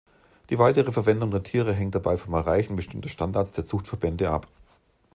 Die weitere Verwendung der Tiere hängt dabei vom Erreichen bestimmter Standards der Zuchtverbände ab.